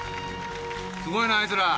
すごいなあいつら。